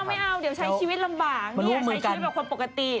เดี๋ยวใช้ชีวิตลำบากเดี๋ยวใช้ชีวิตเป็นคนปกติ